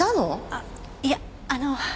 あっいやあの。